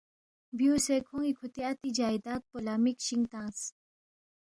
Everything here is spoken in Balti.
بیُونگسے کھون٘ی کُھوتی اتی جائداد پو لہ مِک شِنگ تنگس